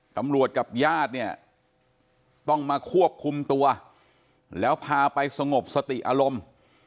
ตำรวจกับญาติต้องมาควบคุมตัวแล้วพาไปสงบสติอารมณ์